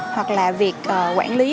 hoặc là việc quản lý